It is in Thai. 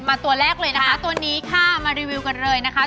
ตัวแรกเลยนะคะตัวนี้ค่ะมารีวิวกันเลยนะคะ